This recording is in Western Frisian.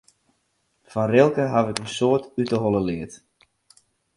Fan Rilke haw ik in soad út de holle leard.